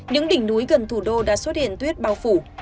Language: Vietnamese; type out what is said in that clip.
những đỉnh núi gần thủ đô đã xuất hiện tuyết bao phủ